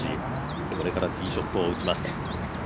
これからティーショットを打ちます。